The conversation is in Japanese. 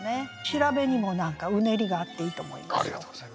調べにも何かうねりがあっていいと思います。